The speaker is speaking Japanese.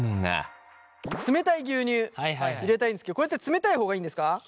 冷たい牛乳入れたいんですけどこれって冷たい方がいいんですか？